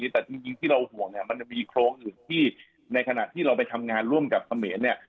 แต่จริงที่เราห่วงเนี่ยมันจะมีโครงอื่นที่ในขณะที่เราไปทำงานร่วมกับเขมรเนี่ย